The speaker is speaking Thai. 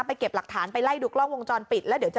ไปเก็บหลักฐานไปไล่ดูกล้องวงจรปิด